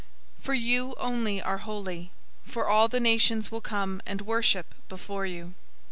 For you only are holy. For all the nations will come and worship before you.